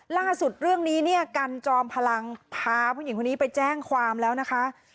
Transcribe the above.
ล่าสุดเรื่องนี้เนี่ยกันจอมพลังพาผู้หญิงคนนี้ไปแจ้งความแล้วนะคะ